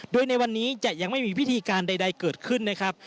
โดยในวันนี้จะยังไม่มีพิธีการใดเกิดขึ้นนะครับ